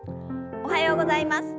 おはようございます。